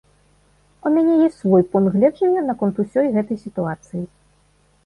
У мяне ёсць свой пункт гледжання наконт усёй гэтай сітуацыі.